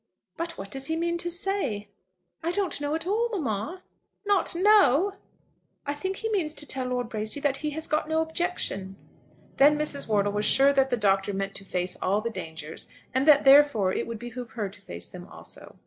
"But what does he mean to say?" "I don't know at all, mamma." "Not know!" "I think he means to tell Lord Bracy that he has got no objection." Then Mrs. Wortle was sure that the Doctor meant to face all the dangers, and that therefore it would behove her to face them also.